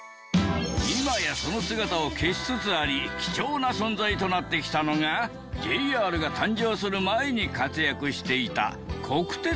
今やその姿を消しつつあり貴重な存在となってきたのがＪＲが誕生する前に活躍していた国鉄時代の列車。